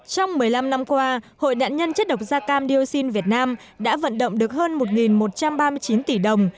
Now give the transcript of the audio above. trong một mươi năm năm qua hội nạn nhân chất độc da cam dioxin việt nam đã vận động được hơn một một trăm ba mươi chín tỷ đồng